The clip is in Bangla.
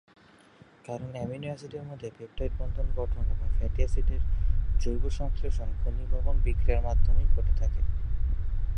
কারণ অ্যামিনো অ্যাসিডের মধ্যে পেপটাইড বন্ধন গঠন এবং ফ্যাটি অ্যাসিডের জৈব সংশ্লেষণ ঘনীভবন বিক্রিয়ার মাধ্যমেই ঘটে।